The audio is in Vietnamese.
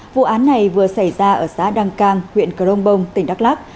vụ án này vừa xảy ra ở xã đăng cang huyện crong bông tỉnh đắk lắc